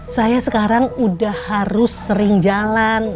saya sekarang udah harus sering jalan